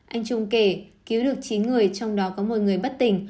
anh trung kể cứu được chín người trong đó có một người bất tỉnh